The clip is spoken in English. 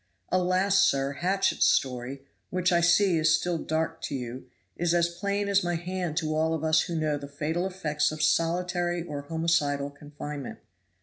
Alas! sir, Hatchett's story, which I see is still dark to you, is as plain as my hand to all of us who know the fatal effects of solitary or homicidal confinement.